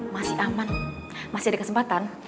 masih aman masih ada kesempatan